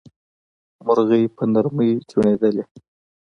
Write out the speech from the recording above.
مرغۍ په نرمۍ چوڼيدلې.